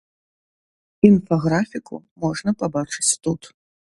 Інфаграфіку можна пабачыць тут.